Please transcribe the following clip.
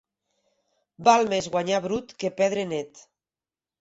Val més guanyar brut que perdre net.